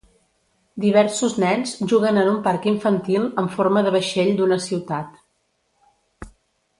Diversos nens juguen en un parc infantil amb forma de vaixell d'una ciutat